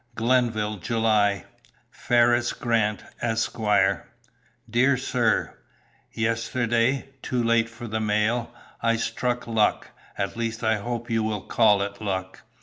"Glenville, July "FERRIS GRANT, ESQ. "DEAR SIR, Yesterday, too late for the mail, I struck luck, at least I hope you will call it luck.